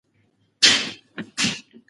د واک دوام د ولس له رضایت سره تړاو لري